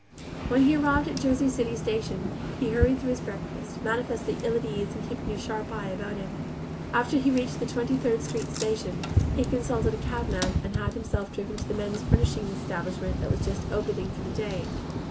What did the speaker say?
When he arrived at the Jersey City station he hurried through his breakfast, manifestly ill at ease and keeping a sharp eye about him. After he reached the Twenty third Street station, he consulted a cabman and had himself driven to a men's furnishings establishment that was just opening for the day.